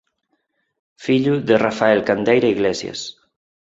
Fillo de Rafael Candeira Iglesias.